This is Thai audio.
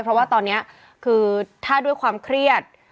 เพราะว่าตอนนี้คือถ้าด้วยความเครียด